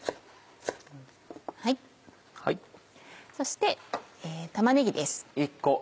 そして玉ねぎです。